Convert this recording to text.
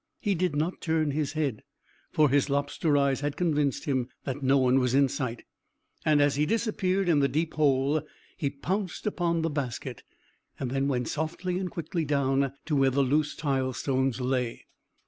He did not turn his head, for his lobster eyes had convinced him that no one was in sight, and, as he disappeared in the deep hole, he pounced upon the basket, and then went softly and quickly down to where the loose tile stones lay.